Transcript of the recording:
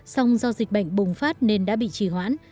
song do dịch bệnh bùng phát nên đã bị trì hoãn